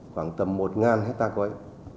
khoảng tầm một nghìn hectare cõi